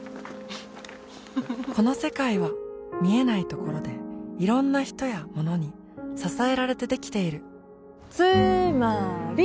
この世界は見えないところでいろんな人やものに支えられてできているつーまーり！